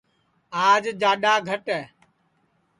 آج جاڈؔا گھٹ ہے